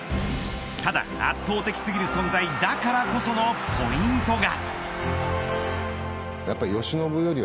ただ、圧倒的すぎる存在だからこそのポイントが。